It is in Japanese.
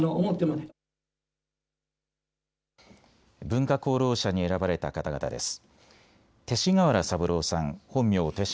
文化功労者に選ばれた方々です。